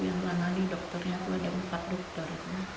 yang menganali dokternya tuh ada empat dokter